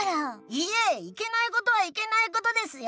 いえいけないことはいけないことですよ！